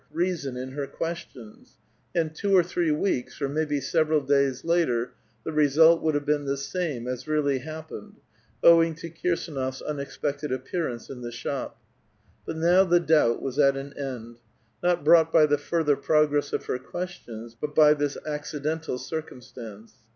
reason in her questions, and two or three weeks, or maybe several days later, the result would have been the same as really happeneil, owing to Kirs&nof s unexpected appearance in the shop. But now the doubt was at an end ; not brought by the further progress of her questions, but by this acci dental circumstance.